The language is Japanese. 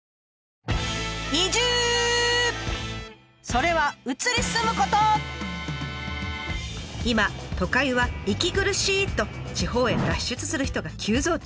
それは今都会は息苦しい！と地方へ脱出する人が急増中。